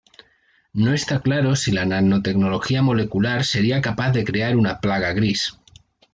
No está claro si la nanotecnología molecular sería capaz de crear una plaga gris.